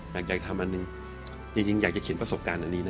อยากจะทำอันหนึ่งจริงอยากจะเขียนประสบการณ์อันนี้นะ